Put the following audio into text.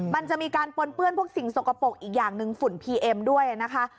มันจะมีการปนเปื้อนพวกสิ่งสกปรกอีกอย่างหนึ่งฝุ่นพีเอ็มด้วยนะคะ